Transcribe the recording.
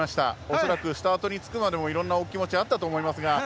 恐らくスタートにつくまでもいろんなお気持ちがあったと思います。